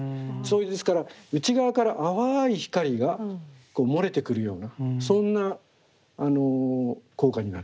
ですから内側から淡い光が漏れてくるようなそんな効果になってる。